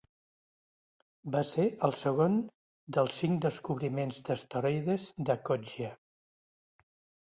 Va ser el segon dels cinc descobriments d'asteroides de Coggia.